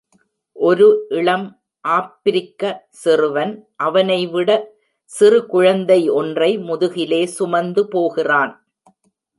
ஒரு இளம் ஆப்பிரிக்க சிறுவன், அவனை விட சிறு குழந்தை ஒன்றை முதுகிலே சுமந்து போகிறான்.